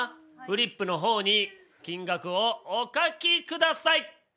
フリップの方に金額をお書きください！